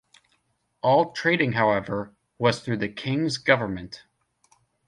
All trading however, was through the King's government.